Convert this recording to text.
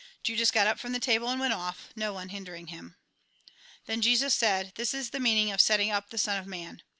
Judas got up from the table and went off, no one hindering him. Tlien Jesus said :" This is the meaning of setting up the Son of Man.